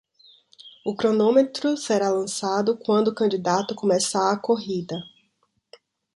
O cronômetro será lançado quando o candidato começar a corrida.